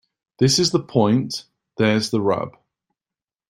This is the point. There's the rub.